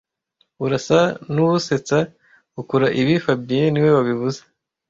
Urasa nuwusetsa ukora ibi fabien niwe wabivuze